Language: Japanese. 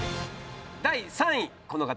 第３位この方。